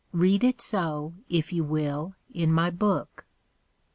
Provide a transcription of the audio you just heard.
Read it so, if you will, in my Book.